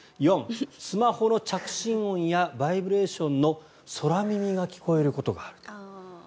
４、スマホの着信音やバイブレーションの空耳が聞こえることがある。